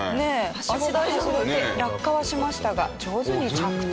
はしごが外れて落下はしましたが上手に着地。